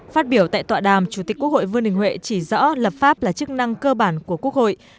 phát biểu tại tọa đàm chủ tịch quốc hội vương đình huệ chỉ rõ lập pháp là chức năng cơ bản của quốc hội